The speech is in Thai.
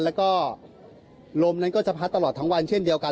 แล้วก็ลมนั้นก็จะพัดตลอดทั้งวันเช่นเดียวกัน